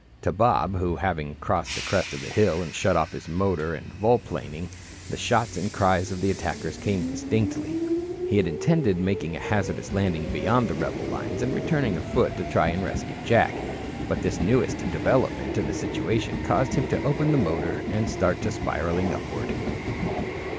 To Bob, who having crossed the crest of the hill had shut off his motor and volplaning, the shots and cries of the attackers came distinctly. He had intended making a hazardous landing beyond the rebel lines and returning afoot to try and rescue Jack. But this newest development in the situation caused him to open the motor and start to spiralling upward.